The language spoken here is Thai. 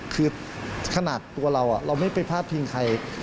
คือขนาดตัวเราเราไม่ไปพลาดพิงใคร